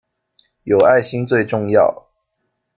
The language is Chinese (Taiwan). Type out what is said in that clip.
有愛心最重要